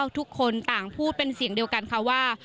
ทุกคนต่างพูดเป็นเสียงเดียวกันค่ะว่า